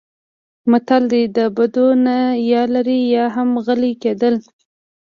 متل دی: د بدو نه یا لرې یا هم غلی کېدل.